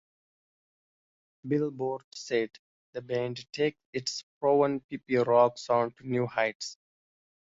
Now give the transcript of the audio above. Billboard said "The band takes its proven peppy rock sound to new heights".